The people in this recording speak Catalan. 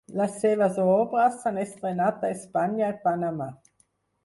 Les seves obres s'han estrenat a Espanya i Panamà.